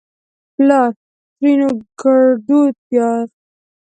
پلار؛ ترينو ګړدود پيار